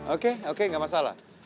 oke oke gak masalah